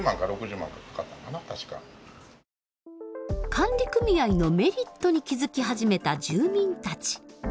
管理組合のメリットに気付き始めた住民たち。